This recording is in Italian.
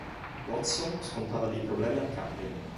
Watson scontava dei problemi al cambio.